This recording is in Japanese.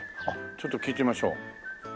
あっちょっと聞いてみましょう。